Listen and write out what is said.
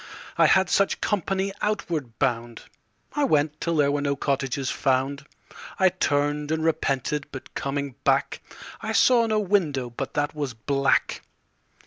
I had such company outward bound. I went till there were no cottages found. I turned and repented, but coming back I saw no window but that was black.